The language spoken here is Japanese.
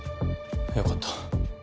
よかった。